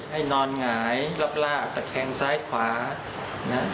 ให้นอนหงายรับราบตะแครงซ้ายหรือขวานะ